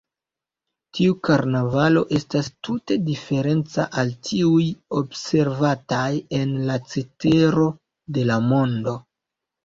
Tiu karnavalo estas tute diferenca al tiuj observataj en la cetero de la mondo.